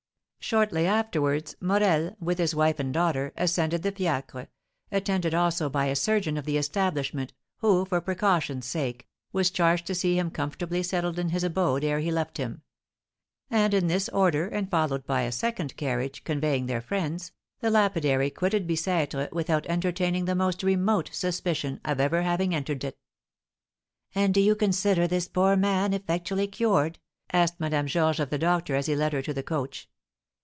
Shortly afterwards, Morel, with his wife and daughter, ascended the fiacre, attended also by a surgeon of the establishment, who, for precaution's sake, was charged to see him comfortably settled in his abode ere he left him; and in this order, and followed by a second carriage, conveying their friends, the lapidary quitted Bicêtre without entertaining the most remote suspicion of ever having entered it. "And do you consider this poor man effectually cured?" asked Madame Georges of the doctor, as he led her to the coach.